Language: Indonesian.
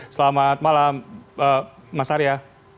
selamat malam mas arya